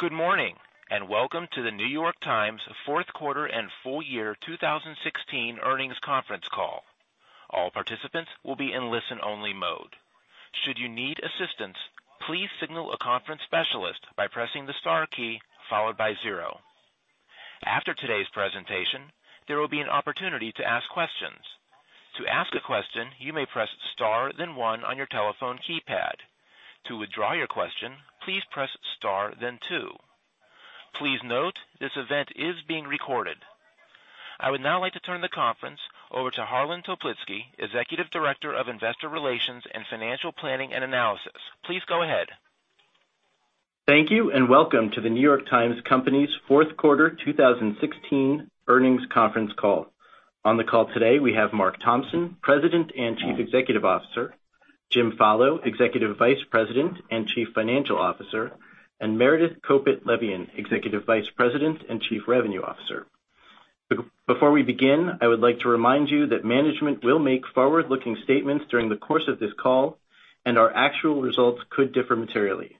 Good morning, and welcome to The New York Times' fourth quarter and full-year 2016 earnings conference call. All participants will be in listen-only mode. Should you need assistance, please signal a conference specialist by pressing the star key followed by zero. After today's presentation, there will be an opportunity to ask questions. To ask a question, you may press star then one on your telephone keypad. To withdraw your question, please press star then two. Please note, this event is being recorded. I would now like to turn the conference over to Harlan Toplitzky, Executive Director of Investor Relations and Financial Planning and Analysis. Please go ahead. Thank you, and welcome to The New York Times Company's fourth quarter 2016 earnings conference call. On the call today, we have Mark Thompson, President and Chief Executive Officer, Jim Follo, Executive Vice President and Chief Financial Officer, and Meredith Kopit Levien, Executive Vice President and Chief Revenue Officer. Before we begin, I would like to remind you that management will make forward-looking statements during the course of this call, and our actual results could differ materially.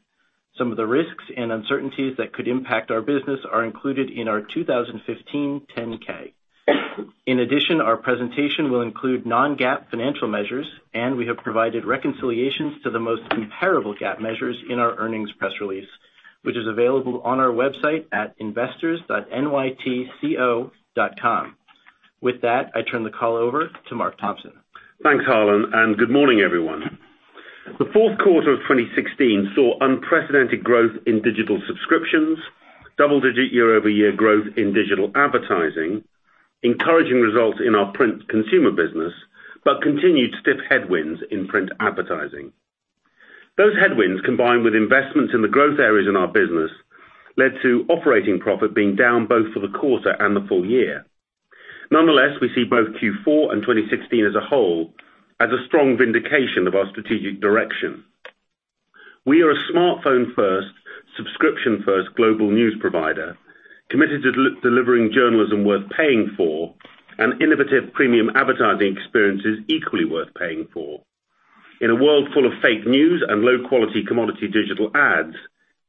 Some of the risks and uncertainties that could impact our business are included in our 2015 10-K. In addition, our presentation will include non-GAAP financial measures, and we have provided reconciliations to the most comparable GAAP measures in our earnings press release, which is available on our website at investors.nytco.com. With that, I turn the call over to Mark Thompson. Thanks, Harlan, and good morning, everyone. The fourth quarter of 2016 saw unprecedented growth in digital subscriptions, double-digit year-over-year growth in digital advertising, encouraging results in our print consumer business, but continued stiff headwinds in Print Advertising. Those headwinds, combined with investments in the growth areas in our business, led to operating profit being down both for the quarter and the full-year. Nonetheless, we see both Q4 and 2016 as a whole as a strong vindication of our strategic direction. We are a smartphone-first, subscription-first global news provider committed to delivering journalism worth paying for and innovative premium advertising experiences equally worth paying for. In a world full of fake news and low-quality commodity digital ads,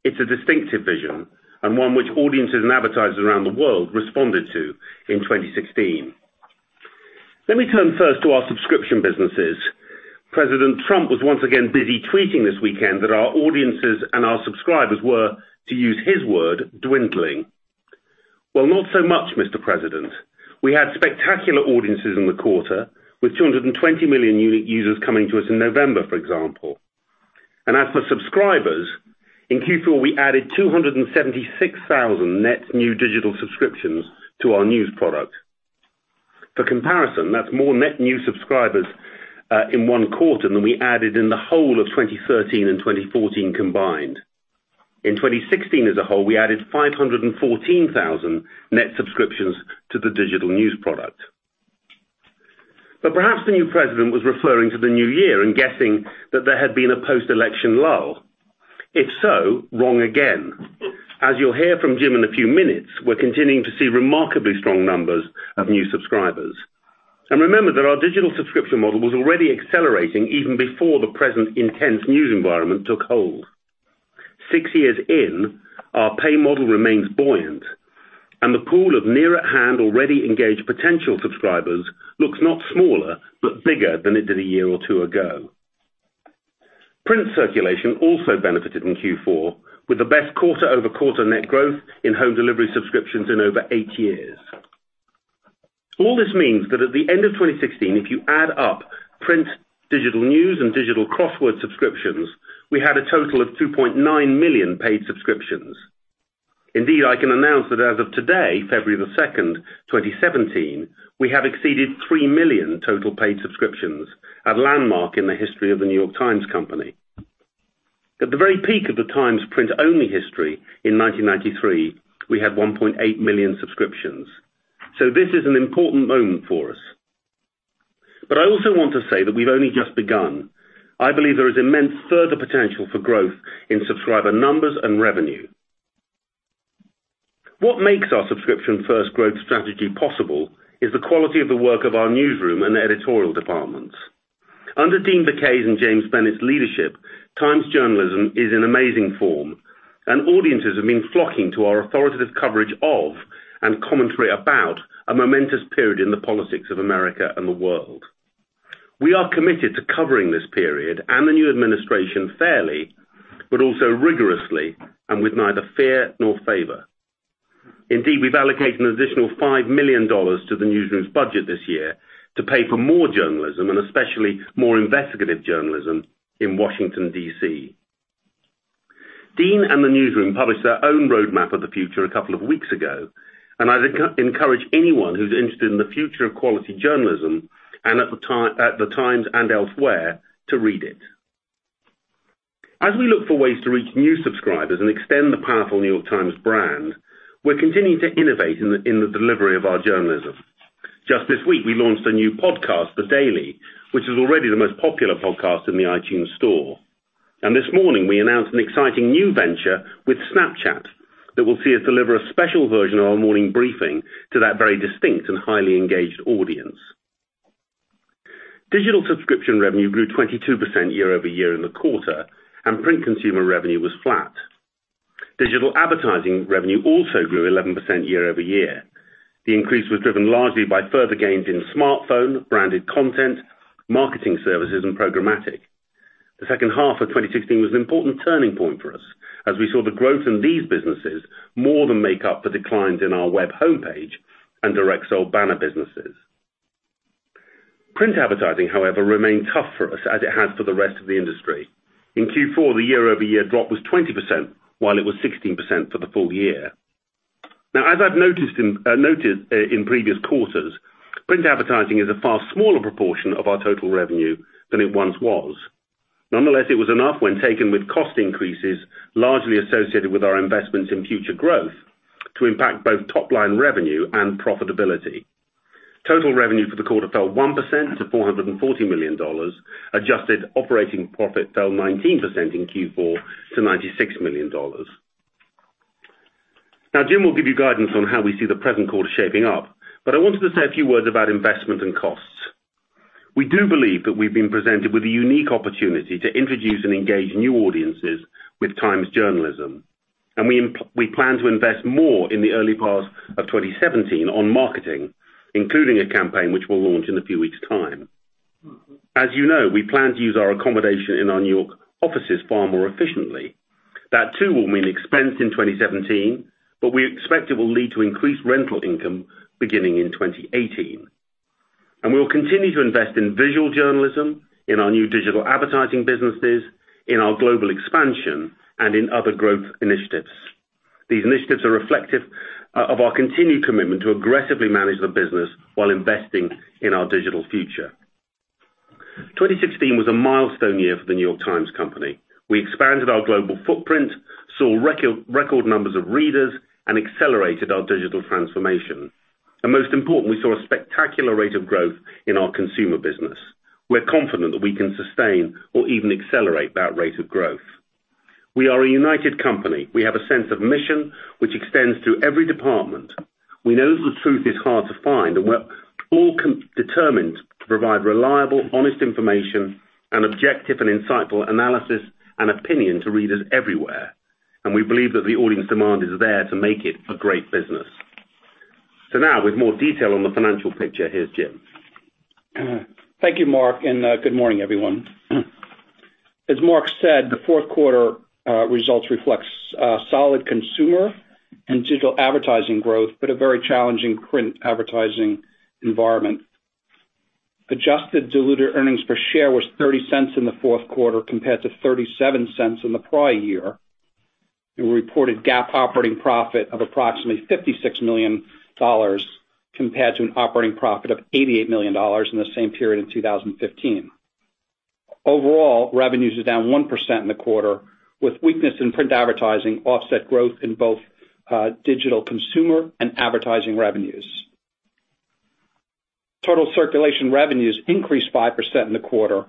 it's a distinctive vision and one which audiences and advertisers around the world responded to in 2016. Let me turn first to our subscription businesses. President Trump was once again busy tweeting this weekend that our audiences and our subscribers were, to use his word, dwindling. Well, not so much, Mr. President. We had spectacular audiences in the quarter, with 220 million unique users coming to us in November, for example. As for subscribers, in Q4, we added 276,000 net new digital subscriptions to our news product. For comparison, that's more net new subscribers in one quarter than we added in the whole of 2013 and 2014 combined. In 2016 as a whole, we added 514,000 net subscriptions to the digital news product. Perhaps the new President was referring to the new year and guessing that there had been a post-election lull. If so, wrong again. As you'll hear from Jim in a few minutes, we're continuing to see remarkably strong numbers of new subscribers. Remember that our digital subscription model was already accelerating even before the present intense news environment took hold. Six years in, our pay model remains buoyant, and the pool of near-at-hand, already engaged potential subscribers looks not smaller, but bigger than it did a year or two ago. Print circulation also benefited in Q4 with the best quarter-over-quarter net growth in home delivery subscriptions in over eight years. All this means that at the end of 2016, if you add up print, digital news, and digital crossword subscriptions, we had a total of 2.9 million paid subscriptions. Indeed, I can announce that as of today, February 2nd, 2017, we have exceeded 3 million total paid subscriptions, a landmark in the history of The New York Times Company. At the very peak of the Times print-only history in 1993, we had 1.8 million subscriptions. This is an important moment for us. I also want to say that we've only just begun. I believe there is immense further potential for growth in subscriber numbers and revenue. What makes our subscription-first growth strategy possible is the quality of the work of our newsroom and editorial departments. Under Dean Baquet's and James Bennet's leadership, Times journalism is in amazing form, and audiences have been flocking to our authoritative coverage of and commentary about a momentous period in the politics of America and the world. We are committed to covering this period and the new administration fairly, but also rigorously and with neither fear nor favor. Indeed, we've allocated an additional $5 million to the newsroom's budget this year to pay for more journalism and especially more investigative journalism in Washington, D.C. Dean and the newsroom published their own roadmap of the future a couple of weeks ago, and I'd encourage anyone who's interested in the future of quality journalism at the Times and elsewhere to read it. As we look for ways to reach new subscribers and extend the powerful New York Times brand, we're continuing to innovate in the delivery of our journalism. Just this week, we launched a new podcast, The Daily, which is already the most popular podcast in the iTunes Store. This morning, we announced an exciting new venture with Snapchat that will see us deliver a special version of our morning briefing to that very distinct and highly engaged audience. Digital subscription revenue grew 22% year-over-year in the quarter, and print consumer revenue was flat. Digital advertising revenue also grew 11% year-over-year. The increase was driven largely by further gains in smartphone, branded content, marketing services, and programmatic. The second half of 2016 was an important turning point for us, as we saw the growth in these businesses more than make up for declines in our web homepage and direct sold banner businesses. Print advertising, however, remained tough for us, as it has for the rest of the industry. In Q4, the year-over-year drop was 20%, while it was 16% for the full-year. Now, as I've noted in previous quarters, print advertising is a far smaller proportion of our total revenue than it once was. Nonetheless, it was enough when taken with cost increases, largely associated with our investments in future growth, to impact both top-line revenue and profitability. Total revenue for the quarter fell 1% to $440 million. Adjusted operating profit fell 19% in Q4 to $96 million. Now, Jim will give you guidance on how we see the present quarter shaping up, but I wanted to say a few words about investment and costs. We do believe that we've been presented with a unique opportunity to introduce and engage new audiences with Times journalism. We plan to invest more in the early part of 2017 on marketing, including a campaign which we'll launch in a few weeks' time. As you know, we plan to use our accommodation in our New York offices far more efficiently. That too will mean expense in 2017, but we expect it will lead to increased rental income beginning in 2018. We will continue to invest in visual journalism, in our new digital advertising businesses, in our global expansion, and in other growth initiatives. These initiatives are reflective of our continued commitment to aggressively manage the business while investing in our digital future. 2016 was a milestone year for The New York Times Company. We expanded our global footprint, saw record numbers of readers, and accelerated our digital transformation. Most important, we saw a spectacular rate of growth in our consumer business. We're confident that we can sustain or even accelerate that rate of growth. We are a united company. We have a sense of mission, which extends to every department. We know the truth is hard to find, and we're all determined to provide reliable, honest information and objective and insightful analysis and opinion to readers everywhere. We believe that the audience demand is there to make it a great business. Now, with more detail on the financial picture, here's Jim. Thank you, Mark, and good morning, everyone. As Mark said, the fourth quarter results reflects solid consumer and digital advertising growth, but a very challenging print advertising environment. Adjusted diluted earnings per share was $0.30 in the fourth quarter, compared to $0.37 in the prior year. We reported GAAP operating profit of approximately $56 million, compared to an operating profit of $88 million in the same period in 2015. Overall, revenues are down 1% in the quarter, with weakness in print advertising offsetting growth in both digital consumer and advertising revenues. Total circulation revenues increased 5% in the quarter,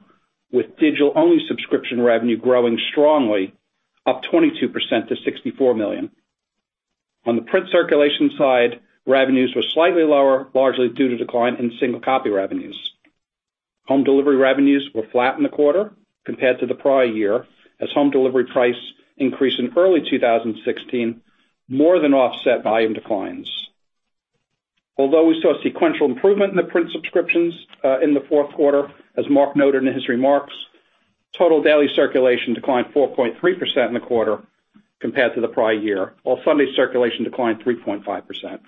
with digital-only subscription revenue growing strongly, up 22% to $64 million. On the print circulation side, revenues were slightly lower, largely due to decline in single copy revenues. Home delivery revenues were flat in the quarter compared to the prior year, as home delivery price increase in early 2016 more than offset volume declines. Although we saw sequential improvement in the print subscriptions, in the fourth quarter, as Mark noted in his remarks, total daily circulation declined 4.3% in the quarter compared to the prior year, while Sunday circulation declined 3.5%.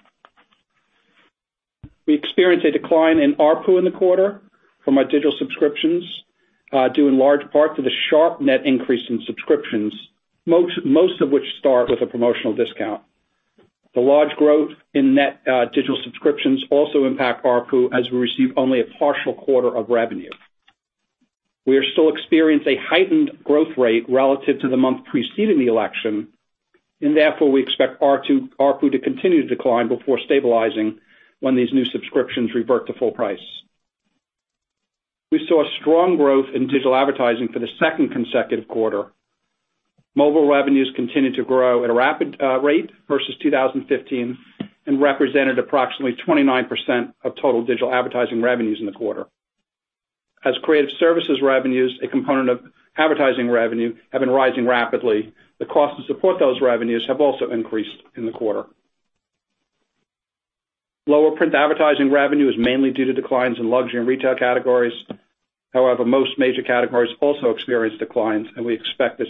We experienced a decline in ARPU in the quarter from our digital subscriptions, due in large part to the sharp net increase in subscriptions, most of which start with a promotional discount. The large growth in net digital subscriptions also impact ARPU as we receive only a partial quarter of revenue. We are still experiencing a heightened growth rate relative to the month preceding the election, and therefore, we expect ARPU to continue to decline before stabilizing when these new subscriptions revert to full price. We saw strong growth in digital advertising for the second consecutive quarter. Mobile revenues continued to grow at a rapid rate versus 2015 and represented approximately 29% of total digital advertising revenues in the quarter. As creative services revenues, a component of advertising revenue, have been rising rapidly, the cost to support those revenues have also increased in the quarter. Lower print advertising revenue is mainly due to declines in luxury and retail categories. However, most major categories also experienced declines, and we expect this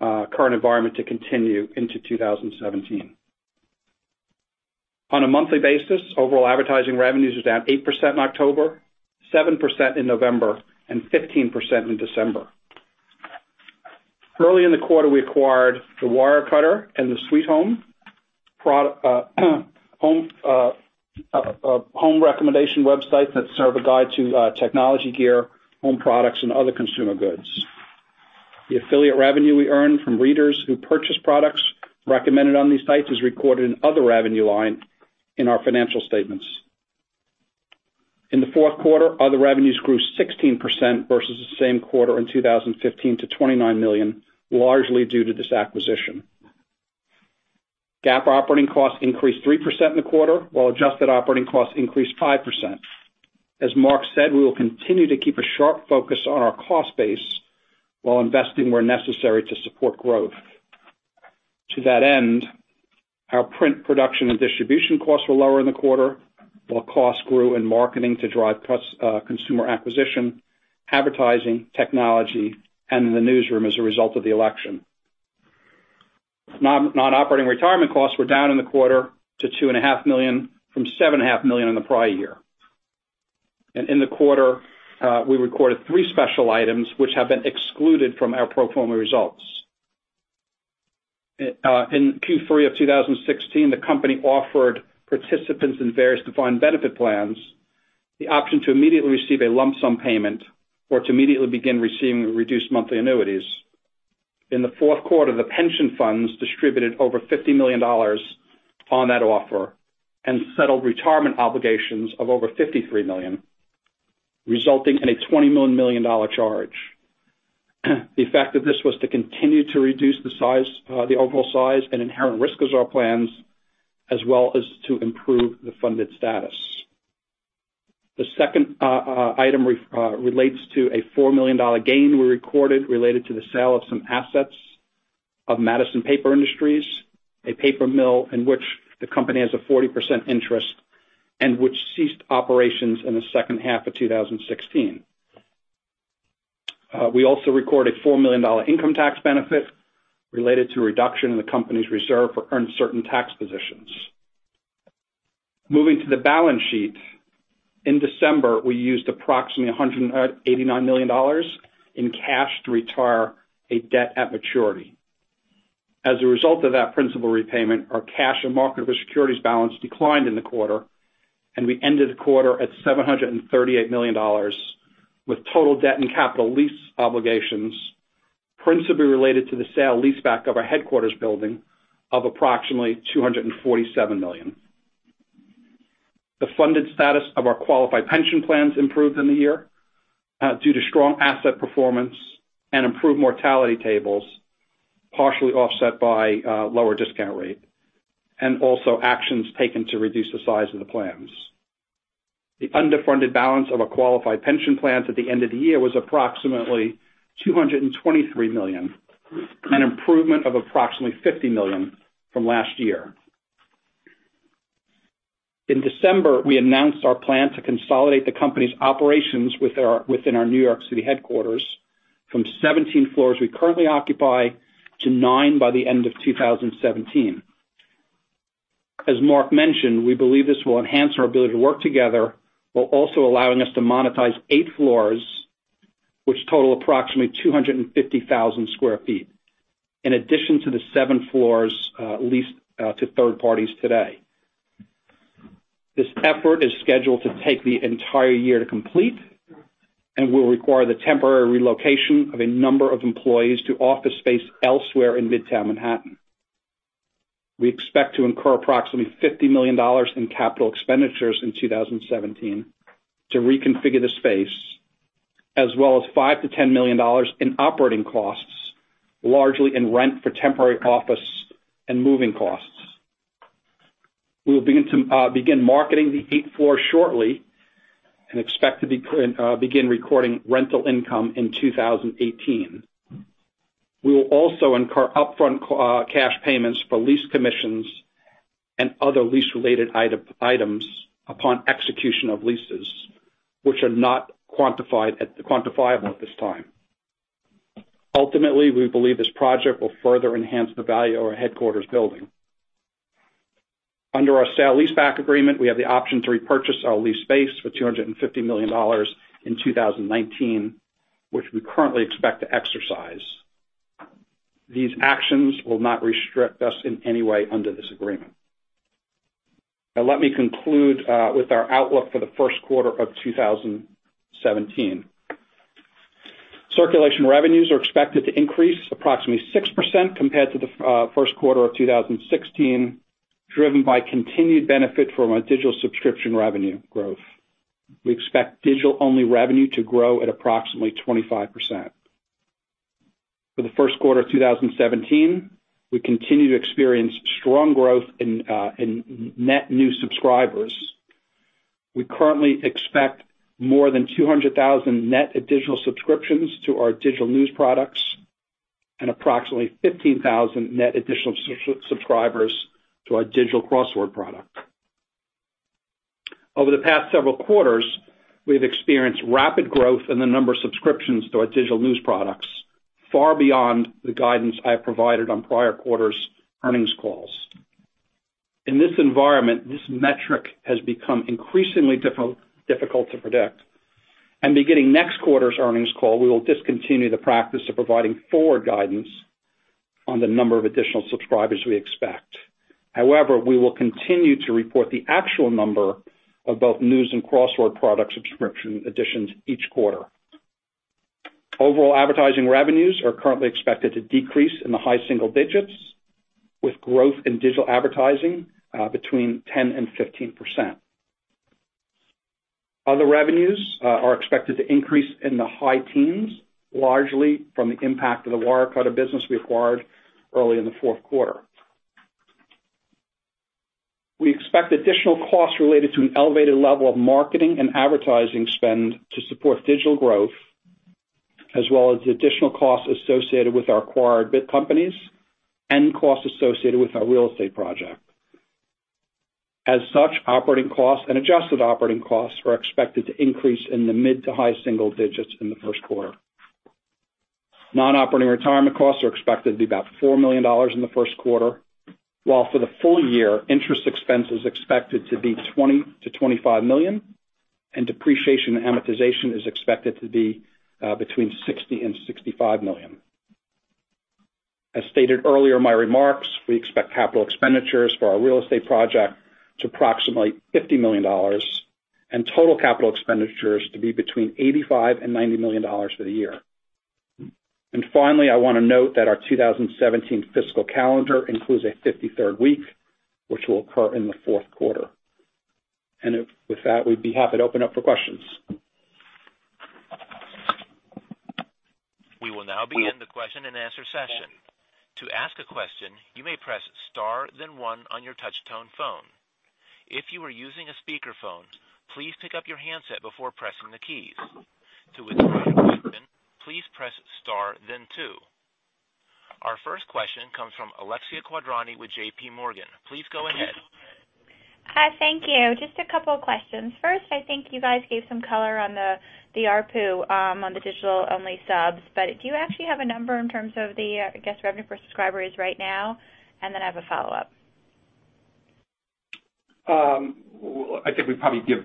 current environment to continue into 2017. On a monthly basis, overall advertising revenues was down 8% in October, 7% in November, and 15% in December. Early in the quarter, we acquired The Wirecutter and The Sweethome, a home recommendation website that serves as a guide to technology gear, home products, and other consumer goods. The affiliate revenue we earn from readers who purchase products recommended on these sites is recorded in other revenue line in our financial statements. In the fourth quarter, other revenues grew 16% versus the same quarter in 2015 to $29 million, largely due to this acquisition. GAAP operating costs increased 3% in the quarter, while adjusted operating costs increased 5%. As Mark said, we will continue to keep a sharp focus on our cost base while investing where necessary to support growth. To that end, our print production and distribution costs were lower in the quarter, while costs grew in marketing to drive consumer acquisition, advertising, technology, and in the newsroom as a result of the election. Non-operating retirement costs were down in the quarter to $2.5 million from $7.5 million in the prior year. In the quarter, we recorded three special items which have been excluded from our pro forma results. In Q3 of 2016, the company offered participants in various defined benefit plans the option to immediately receive a lump sum payment or to immediately begin receiving reduced monthly annuities. In the fourth quarter, the pension funds distributed over $50 million on that offer and settled retirement obligations of over $53 million, resulting in a $20 million charge. The effect of this was to continue to reduce the overall size and inherent risk of our plans, as well as to improve the funded status. The second item relates to a $4 million gain we recorded related to the sale of some assets of Madison Paper Industries, a paper mill in which the company has a 40% interest and which ceased operations in the second half of 2016. We also recorded a $4 million income tax benefit related to a reduction in the company's reserve for uncertain tax positions. Moving to the balance sheet. In December, we used approximately $189 million in cash to retire a debt at maturity. As a result of that principal repayment, our cash and marketable securities balance declined in the quarter, and we ended the quarter at $738 million, with total debt and capital lease obligations principally related to the sale leaseback of our headquarters building of approximately $247 million. The funded status of our qualified pension plans improved in the year due to strong asset performance and improved mortality tables, partially offset by a lower discount rate, and also actions taken to reduce the size of the plans. The underfunded balance of our qualified pension plans at the end of the year was approximately $223 million, an improvement of approximately $50 million from last year. In December, we announced our plan to consolidate the company's operations within our New York City headquarters from 17 floors we currently occupy to 9 by the end of 2017. As Mark mentioned, we believe this will enhance our ability to work together, while also allowing us to monetize eight floors, which total approximately 250,000 sq ft, in addition to the seven floors leased to third parties today. This effort is scheduled to take the entire year to complete and will require the temporary relocation of a number of employees to office space elsewhere in Midtown Manhattan. We expect to incur approximately $50 million in capital expenditures in 2017 to reconfigure the space, as well as $5 million-$10 million in operating costs, largely in rent for temporary office and moving costs. We will begin marketing the eight floors shortly and expect to begin recording rental income in 2018. We will also incur upfront cash payments for lease commissions and other lease-related items upon execution of leases, which are not quantifiable at this time. Ultimately, we believe this project will further enhance the value of our headquarters building. Under our sale leaseback agreement, we have the option to repurchase our lease space for $250 million in 2019, which we currently expect to exercise. These actions will not restrict us in any way under this agreement. Now, let me conclude with our outlook for the first quarter of 2017. Circulation revenues are expected to increase approximately 6% compared to the first quarter of 2016, driven by continued benefit from our digital subscription revenue growth. We expect digital-only revenue to grow at approximately 25%. For the first quarter of 2017, we continue to experience strong growth in net new subscribers. We currently expect more than 200,000 net additional subscriptions to our digital news products and approximately 15,000 net additional subscribers to our digital crossword product. Over the past several quarters, we have experienced rapid growth in the number of subscriptions to our digital news products, far beyond the guidance I have provided on prior quarters' earnings calls. In this environment, this metric has become increasingly difficult to predict, and beginning next quarter's earnings call, we will discontinue the practice of providing forward guidance on the number of additional subscribers we expect. However, we will continue to report the actual number of both news and crossword product subscription additions each quarter. Overall advertising revenues are currently expected to decrease in the high single digits with growth in digital advertising between 10% and 15%. Other revenues are expected to increase in the high teens, largely from the impact of the Wirecutter business we acquired early in the fourth quarter. We expect additional costs related to an elevated level of marketing and advertising spend to support digital growth, as well as additional costs associated with our acquired businesses and costs associated with our real estate project. As such, operating costs and adjusted operating costs are expected to increase in the mid to high single-digits in the first quarter. Non-operating retirement costs are expected to be about $4 million in the first quarter, while for the full-year, interest expense is expected to be $20 million-$25 million, and depreciation and amortization is expected to be between $60 million-$65 million. As stated earlier in my remarks, we expect capital expenditures for our real estate project to be approximately $50 million and total capital expenditures to be between $85 million-$90 million for the year. Finally, I want to note that our 2017 fiscal calendar includes a 53rd week, which will occur in the fourth quarter. With that, we'd be happy to open up for questions. We will now begin the question-and-answer session. To ask a question, you may press star then one on your touch tone phone. If you are using a speakerphone, please pick up your handset before pressing the keys. To withdraw your question, please press star then two. Our first question comes from Alexia Quadrani with JPMorgan. Please go ahead. Hi. Thank you. Just a couple of questions. First, I think you guys gave some color on the ARPU on the digital-only subs, but do you actually have a number in terms of the total revenue per subscribers right now? I have a follow-up. I think we probably give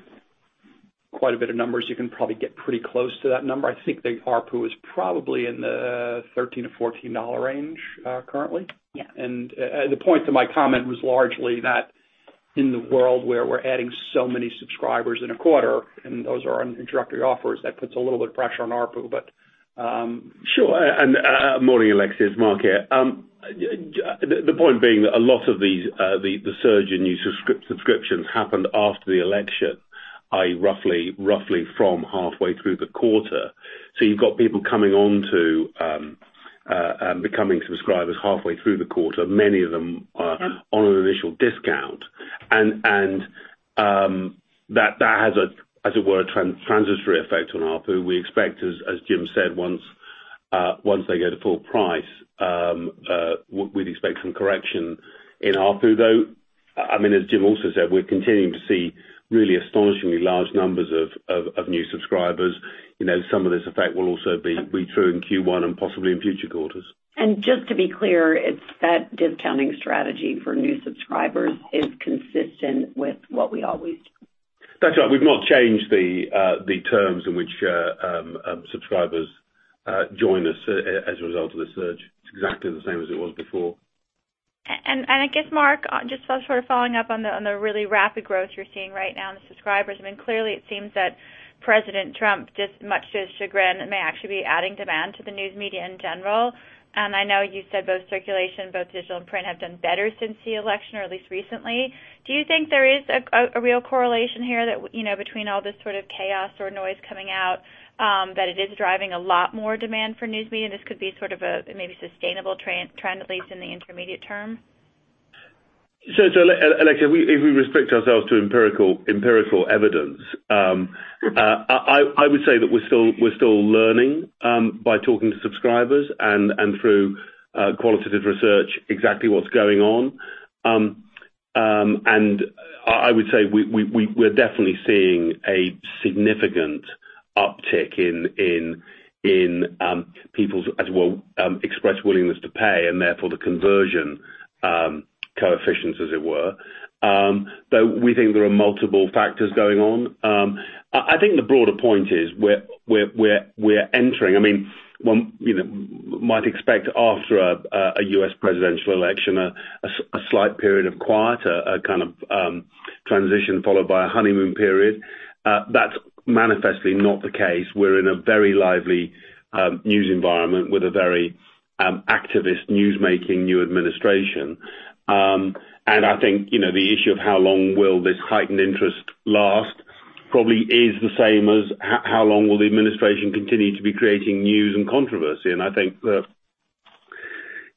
quite a bit of numbers. You can probably get pretty close to that number. I think the ARPU is probably in the $13-$14 range currently. Yeah. The point to my comment was largely that in the world where we're adding so many subscribers in a quarter, and those are introductory offers, that puts a little bit of pressure on ARPU, but. Sure. Morning, Alexia, it's Mark here. The point being, a lot of the surge in new subscriptions happened after the election, roughly from halfway through the quarter. You've got people coming on to becoming subscribers halfway through the quarter. Many of them are on an initial discount. That has, as it were, a transitory effect on ARPU. We expect, as Jim said, once they go to full price, we'd expect some correction in ARPU, though. As Jim also said, we're continuing to see really astonishingly large numbers of new subscribers. Some of this effect will also be true in Q1 and possibly in future quarters. Just to be clear, that discounting strategy for new subscribers is consistent with what we always do. That's right. We've not changed the terms in which subscribers join us as a result of the surge. It's exactly the same as it was before. I guess, Mark, just sort of following up on the really rapid growth you're seeing right now in the subscribers. Clearly it seems that President Trump, just much to his chagrin, may actually be adding demand to the news media in general. I know you said both circulation, both digital and print, have done better since the election, or at least recently. Do you think there is a real correlation here between all this sort of chaos or noise coming out, that it is driving a lot more demand for news media? This could be sort of a maybe sustainable trend, at least in the intermediate term. Alexia, if we restrict ourselves to empirical evidence, I would say that we're still learning by talking to subscribers and through qualitative research exactly what's going on. I would say we're definitely seeing a significant uptick in people's expressed willingness to pay and therefore the conversion coefficients, as it were. We think there are multiple factors going on. I think the broader point is we're entering. One might expect after a U.S. presidential election, a slight period of quiet, a kind of transition followed by a honeymoon period. That's manifestly not the case. We're in a very lively news environment with a very activist news making new administration. I think the issue of how long will this heightened interest last probably is the same as how long will the administration continue to be creating news and controversy. I think that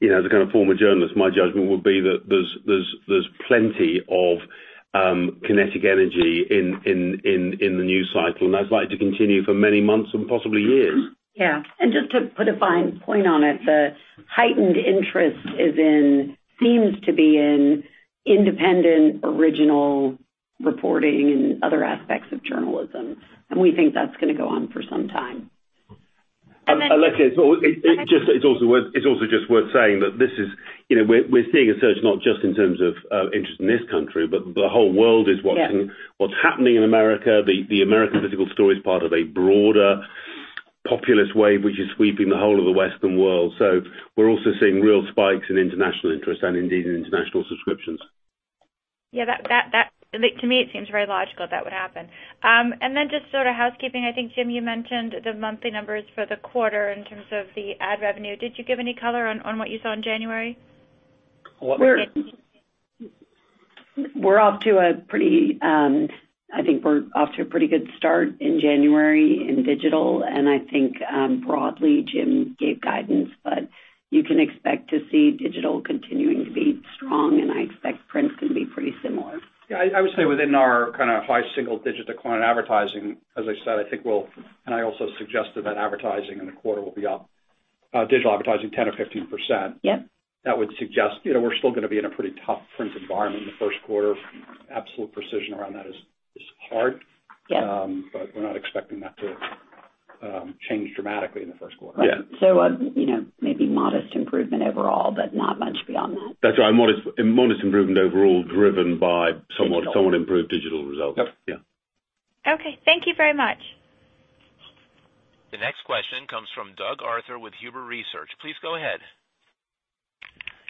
as a kind of former journalist, my judgment would be that there's plenty of kinetic energy in the news cycle, and that's likely to continue for many months and possibly years. Yeah. Just to put a fine point on it, the heightened interest seems to be in independent, original reporting and other aspects of journalism, and we think that's going to go on for some time. Alexia, it's also just worth saying that we're seeing a surge not just in terms of interest in this country, but the whole world is watching what's happening in America. The American political story is part of a broader populist wave which is sweeping the whole of the Western world. We're also seeing real spikes in international interest and indeed in international subscriptions. Yeah. To me, it seems very logical that would happen. just sort of housekeeping. I think, Jim, you mentioned the monthly numbers for the quarter in terms of the ad revenue. Did you give any color on what you saw in January? We're off to a pretty good start in January in digital, and I think broadly Jim gave guidance, but you can expect to see digital continuing to be strong, and I expect print to be pretty similar. Yeah, I would say within our high single-digit decline in advertising, as I said, I think, and I also suggested that advertising in the quarter will be up, digital advertising 10% or 15%. Yes. That would suggest we're still going to be in a pretty tough print environment in the first quarter. Absolute precision around that is hard. Yes. We're not expecting that to change dramatically in the first quarter. Yeah. Maybe modest improvement overall, but not much beyond that. That's right. A modest improvement overall driven by Digital Somewhat improved digital results. Yep. Yeah. Okay, thank you very much. The next question comes from Doug Arthur with Huber Research. Please go ahead.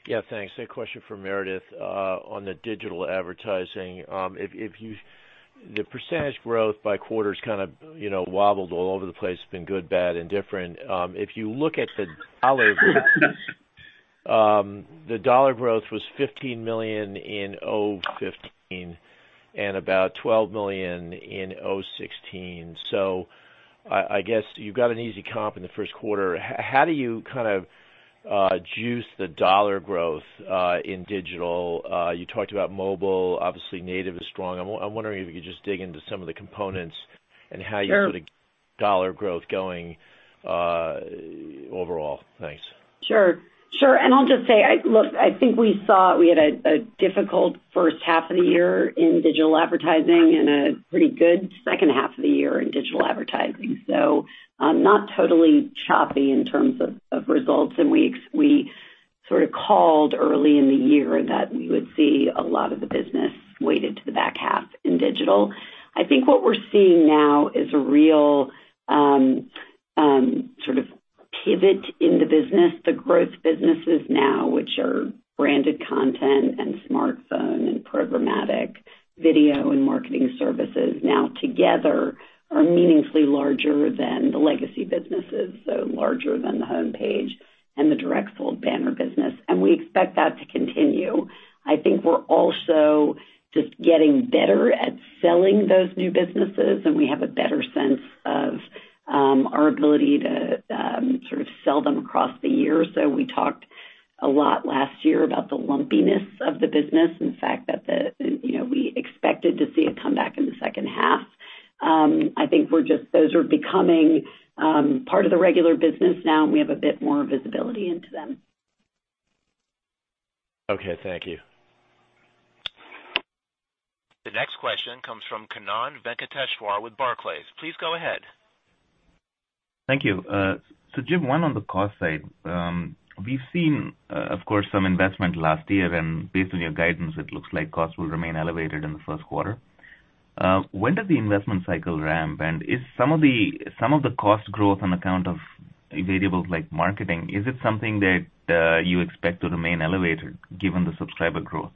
Yeah, thanks. A question for Meredith. On the digital advertising, the percentage growth by quarter has kind of wobbled all over the place. It's been good, bad, and different. If you look at the dollar growth, the dollar growth was $15 million in 2015 and about $12 million in 2016. I guess you've got an easy comp in the first quarter. How do you kind of juice the dollar growth in digital? You talked about mobile. Obviously native is strong. I'm wondering if you could just dig into some of the components and how you Sure See the dollar growth going overall. Thanks. Sure. I'll just say, look, I think we saw we had a difficult first half of the year in digital advertising and a pretty good second half of the year in digital advertising. Not totally choppy in terms of results. We sort of called early in the year that we would see a lot of the business weighted to the back half in digital. I think what we're seeing now is a real sort of pivot in the business. The growth businesses now, which are branded content and Snapchat and programmatic video and marketing services now together are meaningfully larger than the legacy businesses, so larger than the home page and the direct sold banner business, and we expect that to continue. I think we're also just getting better at selling those new businesses, and we have a better sense of our ability to sort of sell them across the year. We talked a lot last year about the lumpiness of the business and the fact that we expected to see a comeback in the second half. I think those are becoming part of the regular business now, and we have a bit more visibility into them. Okay, thank you. The next question comes from Kannan Venkateshwar with Barclays. Please go ahead. Thank you. Jim, one on the cost side. We've seen, of course, some investment last year, and based on your guidance, it looks like costs will remain elevated in the first quarter. When does the investment cycle ramp? If some of the cost growth on account of variables like marketing, is it something that you expect to remain elevated given the subscriber growth?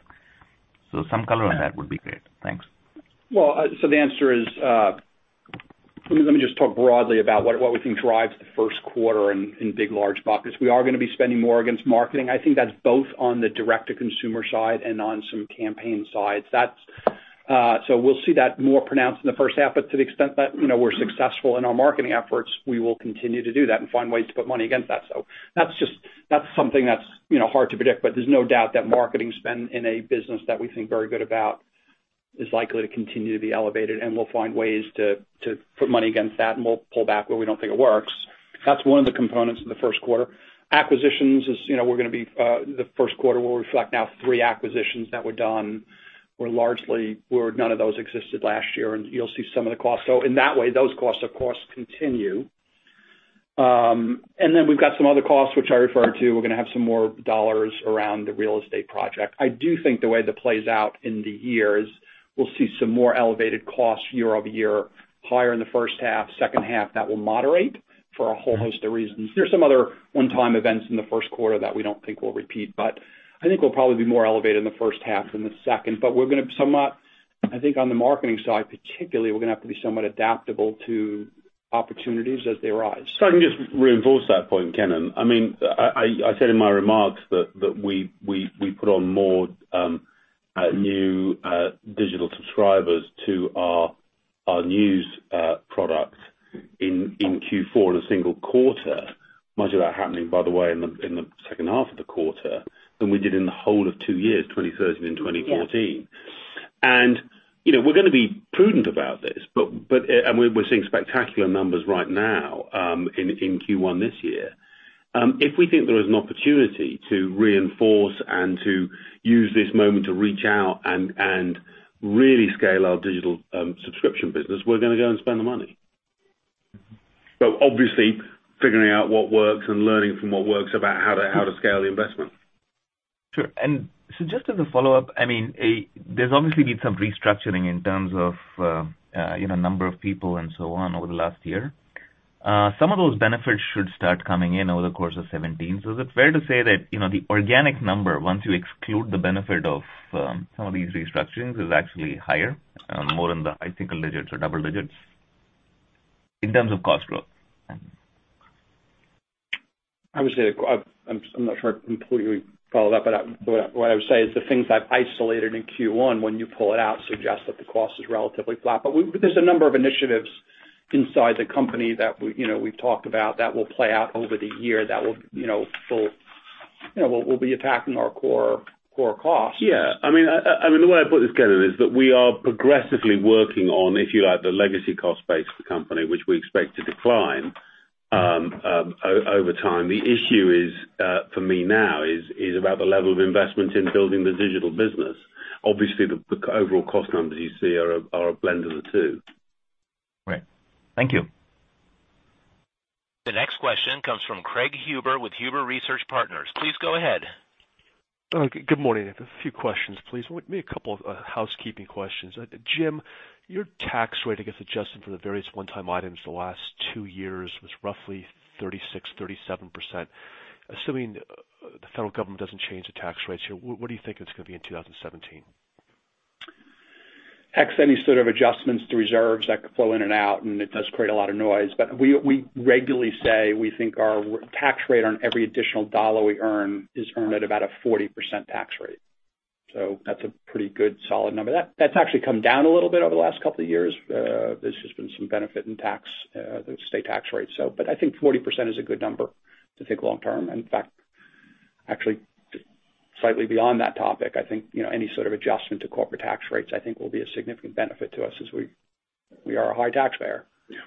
Some color on that would be great. Thanks. Well, the answer is, let me just talk broadly about what we think drives the first quarter in big, large buckets. We are going to be spending more against marketing. I think that's both on the direct-to-consumer side and on some campaign sides. We'll see that more pronounced in the first half. To the extent that we're successful in our marketing efforts, we will continue to do that and find ways to put money against that. That's something that's hard to predict, but there's no doubt that marketing spend in a business that we think very good about is likely to continue to be elevated, and we'll find ways to put money against that, and we'll pull back where we don't think it works. That's one of the components in the first quarter. Acquisitions, the first quarter will reflect now three acquisitions that were done, where none of those existed last year, and you'll see some of the costs. In that way, those costs, of course, continue. We've got some other costs, which I referred to. We're going to have some more dollars around the real estate project. I do think the way that plays out in the year is we'll see some more elevated costs year-over-year, higher in the first half, second half, that will moderate for a whole host of reasons. There's some other one-time events in the first quarter that we don't think will repeat, but I think we'll probably be more elevated in the first half than the second. We're going to somewhat, I think on the marketing side particularly, we're going to have to be somewhat adaptable to opportunities as they arise. I can just reinforce that point, Kannan. I said in my remarks that we put on more new digital subscribers to our news product in Q4 in a single quarter, much of that happening, by the way, in the second half of the quarter, than we did in the whole of two years, 2013 and 2014. Yeah. We're going to be prudent about this, and we're seeing spectacular numbers right now in Q1 this year. If we think there is an opportunity to reinforce and to use this moment to reach out and really scale our digital subscription business, we're going to go and spend the money. Obviously figuring out what works and learning from what works about how to scale the investment. Sure. Just as a follow-up, there's obviously been some restructuring in terms of number of people and so on over the last year. Some of those benefits should start coming in over the course of 2017. Is it fair to say that the organic number, once you exclude the benefit of some of these restructurings, is actually higher, more in the high single digits or double-digits in terms of cost growth? I would say, I'm not sure I completely follow that, but what I would say is the things I've isolated in Q1, when you pull it out, suggest that the cost is relatively flat. There's a number of initiatives inside the company that we've talked about that will play out over the year that will be attacking our core costs. Yeah. The way I put this, Kannan, is that we are progressively working on, if you like, the legacy cost base of the company, which we expect to decline over time. The issue is, for me now, is about the level of investment in building the digital business. Obviously, the overall cost numbers you see are a blend of the two. Right. Thank you. The next question comes from Craig Huber with Huber Research Partners. Please go ahead. Good morning. A few questions, please. Maybe a couple of housekeeping questions. Jim, your tax rate, I guess, adjusted for the various one-time items the last two years was roughly 36%-37%. Assuming the federal government doesn't change the tax rates here, what do you think it's going to be in 2017? Any sort of adjustments to reserves that could flow in and out, and it does create a lot of noise. We regularly say we think our tax rate on every additional dollar we earn is earned at about a 40% tax rate. That's a pretty good solid number. That's actually come down a little bit over the last couple of years. There's just been some benefit in the state tax rate. I think 40% is a good number to think long term. In fact, actually, slightly beyond that topic, I think, any sort of adjustment to corporate tax rates, I think will be a significant benefit to us since we are a high taxpayer. Yeah.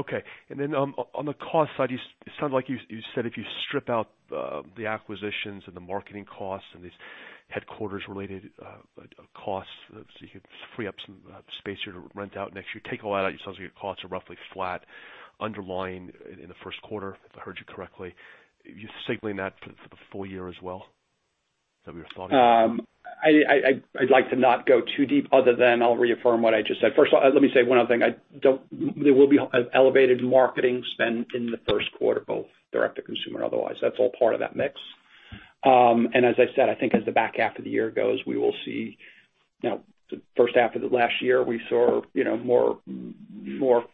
Okay. On the cost side, it sounds like you said if you strip out the acquisitions and the marketing costs and these headquarters-related costs, so you could free up some space here to rent out next year, take all that out, it sounds like your costs are roughly flat underlying in the first quarter, if I heard you correctly. You're signaling that for the full-year as well? Is that what you're thinking? I'd like to not go too deep other than I'll reaffirm what I just said. First of all, let me say one other thing. There will be elevated marketing spend in the first quarter, both direct to consumer or otherwise. That's all part of that mix. As I said, I think as the back half of the year goes, we will see the first half of the last year, we saw more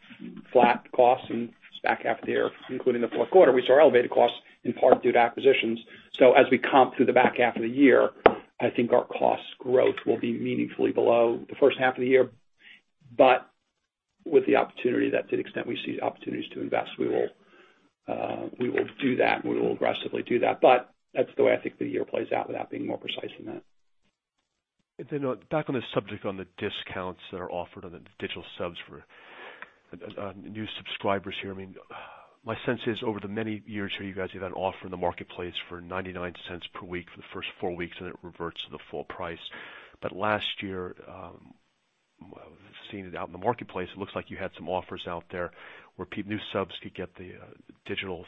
flat costs in the back half of the year, including the fourth quarter. We saw elevated costs in part due to acquisitions. As we comp through the back half of the year, I think our cost growth will be meaningfully below the first half of the year. With the opportunity that to the extent we see opportunities to invest, we will do that, and we will aggressively do that. That's the way I think the year plays out without being more precise than that. Then back on the subject of the discounts that are offered on the digital subs for new subscribers here. My sense is over the many years here, you guys have had an offer in the marketplace for $0.99 per week for the first four weeks, and it reverts to the full price. Last year, seeing it out in the marketplace, it looks like you had some offers out there where new subs could get the digital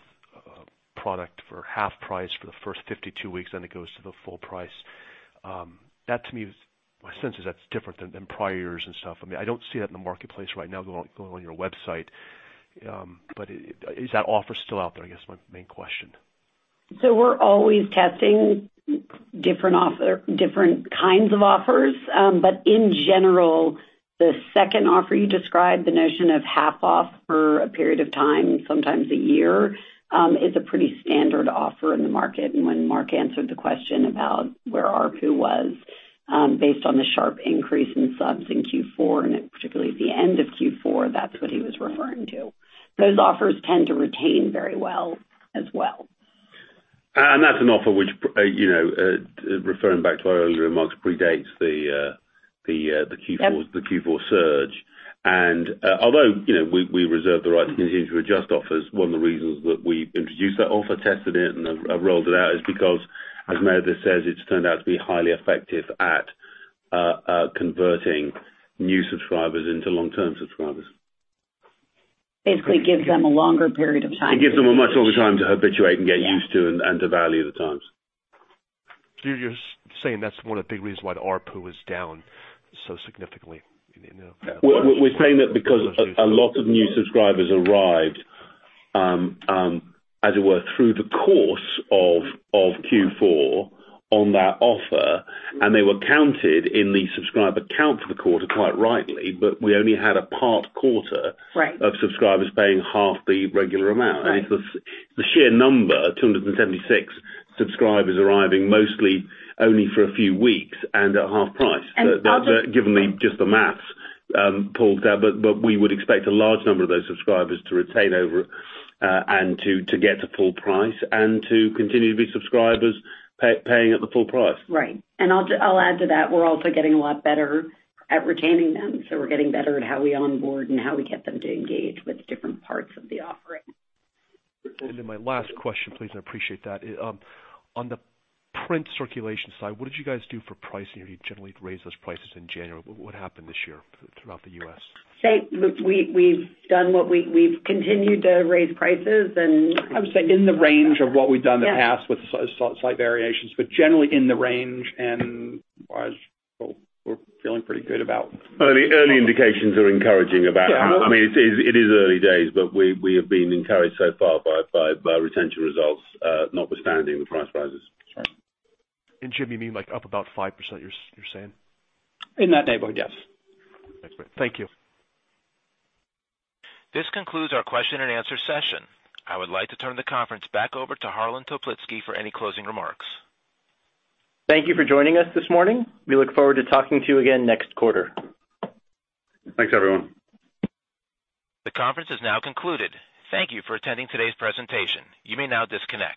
product for half price for the first 52 weeks, then it goes to the full price. That to me, my sense is that's different than prior years and stuff. I don't see that in the marketplace right now going on your website. Is that offer still out there? I guess my main question. We're always testing different kinds of offers. In general, the second offer you described, the notion of half off for a period of time, sometimes a year, is a pretty standard offer in the market. When Mark answered the question about where ARPU was based on the sharp increase in subs in Q4, and particularly at the end of Q4, that's what he was referring to. Those offers tend to retain very well as well. That's an offer which, referring back to our earlier remarks, predates the Q4 surge. Although we reserve the right to continue to adjust offers, one of the reasons that we introduced that offer, tested it, and have rolled it out is because, as Meredith says, it's turned out to be highly effective at converting new subscribers into long-term subscribers. Basically gives them a longer period of time. It gives them a much longer time to habituate and get used to and to value the Times. You're saying that's one of the big reasons why the ARPU was down so significantly? We're saying that because a lot of new subscribers arrived, as it were, through the course of Q4 on that offer, and they were counted in the subscriber count for the quarter, quite rightly, but we only had a part quarter. Right of subscribers paying half the regular amount. Right. The sheer number, 276 subscribers arriving mostly only for a few weeks and at half price. And I'll just- Given just the math pulled there, but we would expect a large number of those subscribers to retain over and to get to full price and to continue to be subscribers paying at the full price. Right. I'll add to that, we're also getting a lot better at retaining them. We're getting better at how we onboard and how we get them to engage with different parts of the offering. My last question, please. I appreciate that. On the print circulation side, what did you guys do for pricing? You generally raise those prices in January. What happened this year throughout the U.S.? We've continued to raise prices and. I would say in the range of what we've done in the past with slight variations, but generally in the range, and we're feeling pretty good about- It is early days, but we have been encouraged so far by retention results, notwithstanding the price rises. That's right. Jim, you mean like up about 5%, you're saying? In that neighborhood, yes. Thanks. Thank you. This concludes our question-and-answer session. I would like to turn the conference back over to Harlan Toplitzky for any closing remarks. Thank you for joining us this morning. We look forward to talking to you again next quarter. Thanks, everyone. The conference is now concluded. Thank you for attending today's presentation. You may now disconnect.